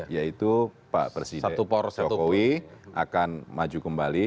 yaitu pak jokowi akan maju kembali